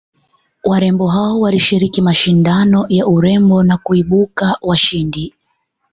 warembo hao walishiriki mashindano ya urembo na kuibuka washindi